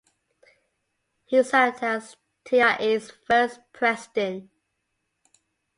He served as TiE's first president.